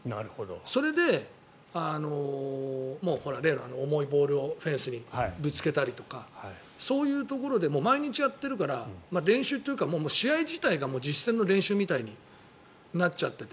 それで、例の重いボールをフェンスにぶつけたりとかそういうところで毎日やっているから練習というか試合自体が実践の練習みたいになっちゃってて。